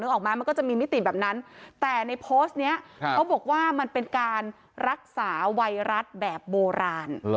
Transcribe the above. ออกมามันก็จะมีมิติแบบนั้นแต่ในโพสต์นี้เขาบอกว่ามันเป็นการรักษาไวรัสแบบโบราณ